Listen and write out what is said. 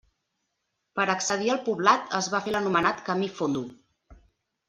Per accedir al poblat es va fer l'anomenat camí Fondo.